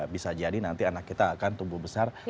bisa jadi nanti anak kita akan tumbuh besar